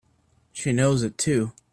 She knows it too!